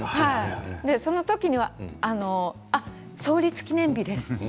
その時には創立記念日ですって。